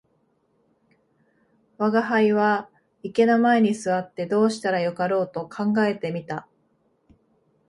吾輩は池の前に坐ってどうしたらよかろうと考えて見た